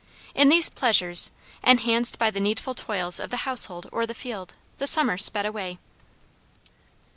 In these pleasures, enhanced by the needful toils of the household or the field, the summer sped away.